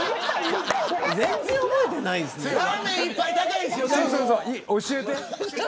全然覚えてないんすね。